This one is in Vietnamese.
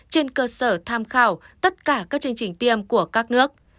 trên cơ sở tham khảo tất cả các chương trình tiêm của các nước